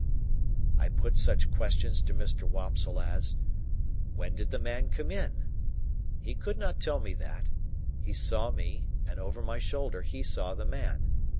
I put such questions to Mr. Wopsle as, When did the man come in? He could not tell me that; he saw me, and over my shoulder he saw the man.